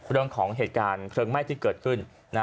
เรื่องของเหตุการณ์เพลิงไหม้ที่เกิดขึ้น